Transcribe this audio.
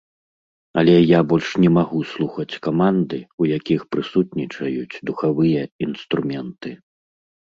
Але я больш не магу слухаць каманды, у якіх прысутнічаюць духавыя інструменты.